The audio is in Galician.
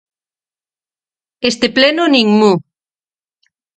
Este Pleno, ¡nin mu!